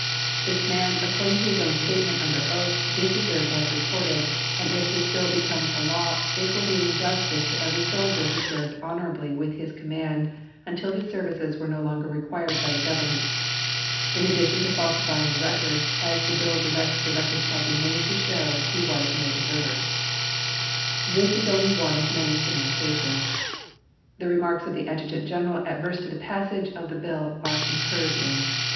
"This man, according to his own statement under oath, did desert as reported, and if this bill becomes a law it will be an injustice to every soldier who served honorably with his command until his services were no longer required by the Government, in addition to falsifying the record, as the bill directs the record shall be made to show he is no deserter. "This is only one of many similar cases." The remarks of the Adjutant General adverse to the passage of the bill are concurred in.